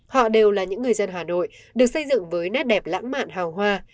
họ đều là những người dân hà nội được xây dựng với nét đẹp lãng mạn hào hoa